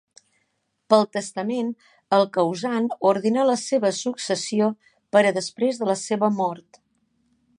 Pel testament, el causant ordena la seva successió per a després de la seva mort.